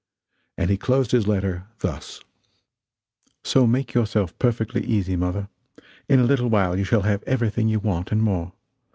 And he closed his letter thus: "So make yourself perfectly easy, mother in a little while you shall have everything you want, and more.